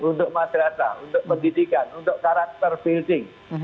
untuk madrasah untuk pendidikan untuk karakter building